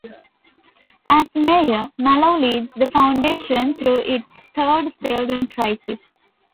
As Mayor, Mallow leads the Foundation through its third Seldon Crisis.